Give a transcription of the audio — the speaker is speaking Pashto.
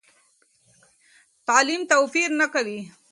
تعلیم توپیر نه کوي.